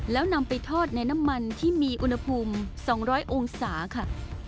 แล้วนำไปทอดในน้ำมันที่มีอุณหภูมิ๒๐๐องศาค่ะ